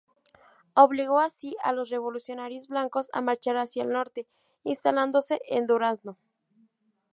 Obligó así a los revolucionarios blancos a marchar hacia el Norte, instalándose en Durazno.